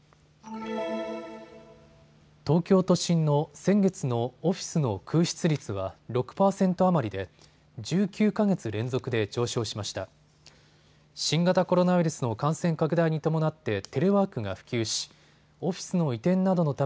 東京都心の先月のオフィスの空室率は６％余りで１９か月連続で上昇しました。